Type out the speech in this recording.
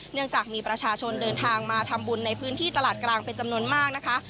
เนื่องจากมีประชาชนเดินทางมาทำบุญในพื้นที่ตลาดกลางเป็นจำนวนมากนะคะ